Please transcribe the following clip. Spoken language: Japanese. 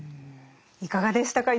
いかがでしたか？